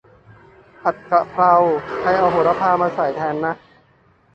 ผัดกะเพรา ใครเอาโหระพามาใส่แทนนะ